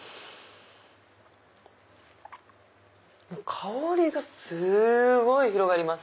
香りがすごい広がります。